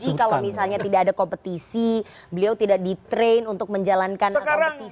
ini kan berarti tidak teruji kalau misalnya tidak ada kompetisi beliau tidak di train untuk menjalankan kompetisi dan juga